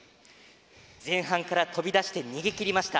前半から飛び出して逃げ切りました。